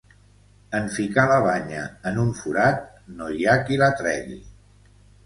En ficar la banya en un forat, no hi ha qui la tregui.